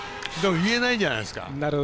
言えないじゃないですか。